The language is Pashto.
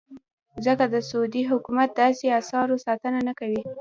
ځکه د سعودي حکومت داسې اثارو ساتنه نه کوي.